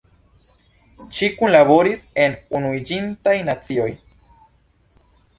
Ŝi kunlaboris en Unuiĝintaj Nacioj.